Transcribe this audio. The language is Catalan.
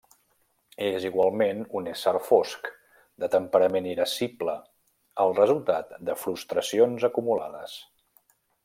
És igualment un ésser fosc, de temperament irascible, el resultat de frustracions acumulades.